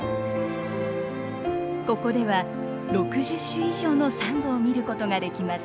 ここでは６０種以上のサンゴを見ることができます。